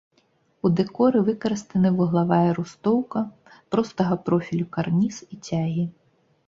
У дэкоры выкарыстаны вуглавая рустоўка, простага профілю карніз і цягі.